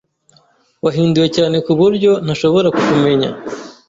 Wahinduye cyane kuburyo ntashobora kukumenya.